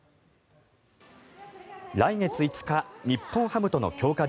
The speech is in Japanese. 来月５日日本ハムとの強化